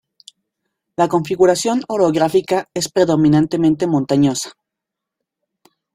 La configuración orográfica es predominantemente montañosa.